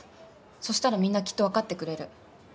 そしたらみんなきっとわかってくれる。